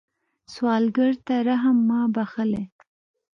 سوالګر ته رحم مه بخلئ